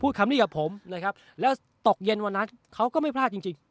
คำนี้กับผมนะครับแล้วตกเย็นวันนั้นเขาก็ไม่พลาดจริงจริง